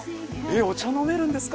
お茶飲めるんですか。